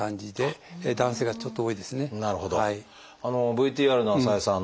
ＶＴＲの浅井さん